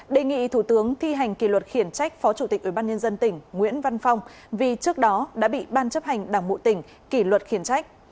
đề nghị thủ tướng thi hành kỷ luật khiển trách phó chủ tịch ủy ban nhân dân tỉnh nguyễn văn phong vì trước đó đã bị ban chấp hành đảng bộ tỉnh kỷ luật khiển trách